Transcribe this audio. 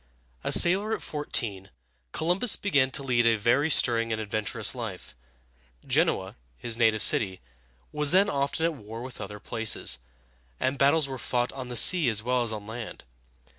A sailor at fourteen, Columbus began to lead a very stirring and adventurous life. Genoa, his native city, was then often at war with other places, and battles were fought on the sea as well as on land.